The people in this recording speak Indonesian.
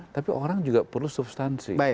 tapi orang juga perlu substansi